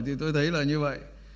thì tôi thấy là như vậy